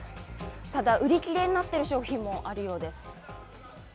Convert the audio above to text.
ただ、売り切れになっている商品もあるようです。